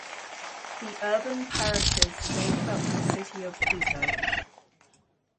The urban parishes make up the city of Quito.